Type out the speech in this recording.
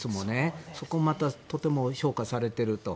そこもとても評価されていると。